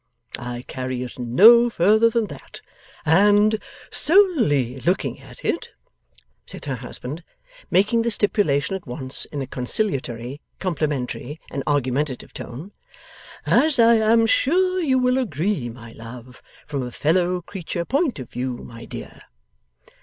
I carry it no further than that. And solely looking at it,' said her husband, making the stipulation at once in a conciliatory, complimentary, and argumentative tone 'as I am sure you will agree, my love from a fellow creature point of view, my dear.